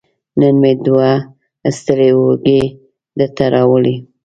نن مې دوه ستړې اوږې درته راوړي